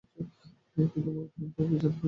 কিন্তু মা, প্রেম তো আর বিছানায় হয় না?